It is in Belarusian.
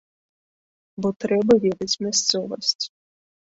Бо трэба ведаць мясцовасць.